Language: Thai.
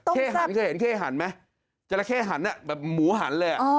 หันเคยเห็นเข้หันไหมจราเข้หันแบบหมูหันเลย